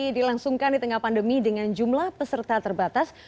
di langsungkan di tengah pandemi dengan jumlah peserta terbatas